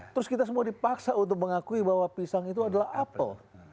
terus kita semua dipaksa untuk mengakui bahwa pisang itu adalah apel